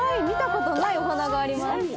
見たことないお花があります。